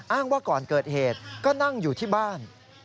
ว่าก่อนเกิดเหตุก็นั่งอยู่ที่บ้าน